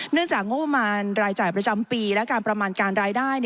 จากงบประมาณรายจ่ายประจำปีและการประมาณการรายได้